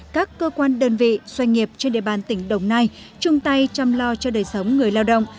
các cơ quan đơn vị doanh nghiệp trên địa bàn tỉnh đồng nai chung tay chăm lo cho đời sống người lao động